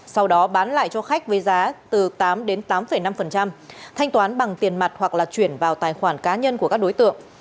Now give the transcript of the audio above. sau đó bán lại cho khách với giá từ tám đến tám năm thanh toán bằng tiền mặt hoặc là chuyển vào tài khoản cá nhân của các đối tượng